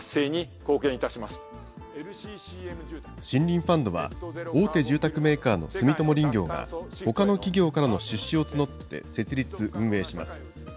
森林ファンドは、大手住宅メーカーの住友林業が、ほかの企業からの出資を募って設立・運営します。